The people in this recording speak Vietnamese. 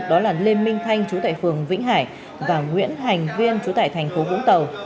đó là lê minh thanh chú tại phường vĩnh hải và nguyễn hành viên chú tại thành phố vũng tàu